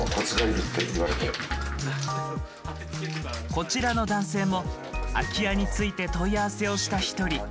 こちらの男性も空き家について問い合わせをした一人。